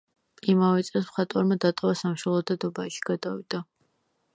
იმავე წელს მხატვარმა დატოვა სამშობლო და დუბაიში გადავიდა.